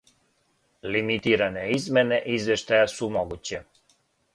Лимитиране измене извештаја су могуће.